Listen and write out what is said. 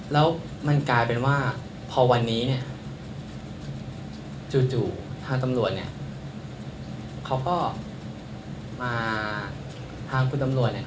แล้วมันกลายเป็นว่าพอวันนี้เนี่ยจู่ทางคุณตำรวจเนี่ย